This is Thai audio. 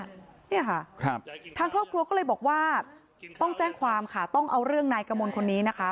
เนี่ยค่ะครับทางครอบครัวก็เลยบอกว่าต้องแจ้งความค่ะต้องเอาเรื่องนายกมลคนนี้นะคะ